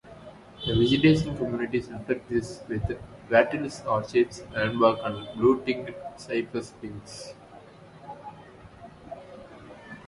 The vegetation communities reflect this, with wattles, orchids, ironbark and blue-tinged cypress pines.